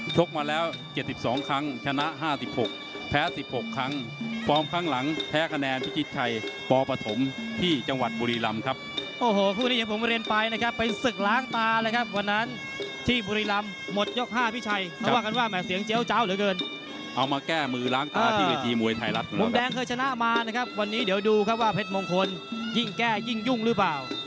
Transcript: ชกมาแล้ว๗๒ครั้งชนะ๕๖ครั้งแพ้๑๖ครั้งพร้อมข้างหลังแพ้คะแนนพชัยปปฐมที่จังหวัดภูรีรัมป์ครับ